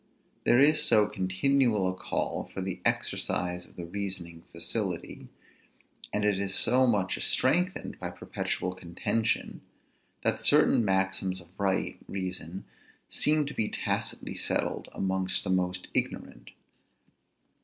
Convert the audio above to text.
There is so continual a call for the exercise of the reasoning facility; and it is so much strengthened by perpetual contention, that certain maxims of right reason seem to be tacitly settled amongst the most ignorant.